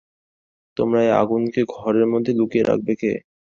তোমার এ আগুনকে ঘরের মধ্যে লুকিয়ে রাখবে কে?